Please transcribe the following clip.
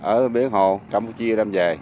ở biển hồ campuchia đem về